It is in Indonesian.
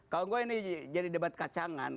kalau enggak ini jadi debat kacangan